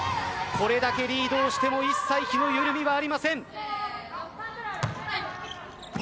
これだけリードをしても一切、気の緩みはありません。